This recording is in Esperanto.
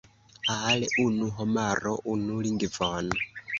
Al unu homaro unu lingvon.